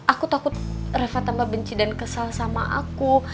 aku takut reva tambah benci dan kesal sama aku